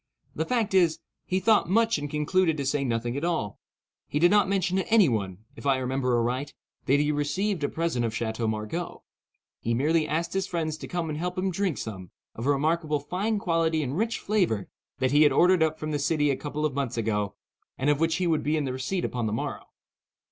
The fact is, he thought much and concluded to say nothing at all. He did not mention to any one—if I remember aright—that he had received a present of Chateau Margaux. He merely asked his friends to come and help him drink some, of a remarkable fine quality and rich flavour, that he had ordered up from the city a couple of months ago, and of which he would be in the receipt upon the morrow.